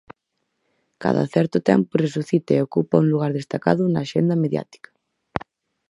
Cada certo tempo resucita e ocupa un lugar destacado na axenda mediática.